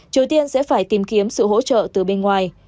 triều tiên sẽ phải tìm kiếm sự hỗ trợ từ bên ngoài